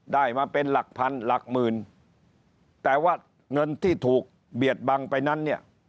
ได้มาเป็นหลักพันหลักหมื่นแต่ว่าเงินที่ถูกเบียดบังไปนั้นเนี่ย